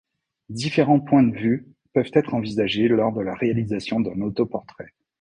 Différents points de vue peuvent être envisagés lors de la réalisation d'un autoportrait.